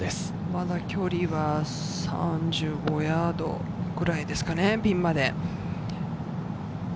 まだ距離は３５ヤードぐらいですかね、ピンまで。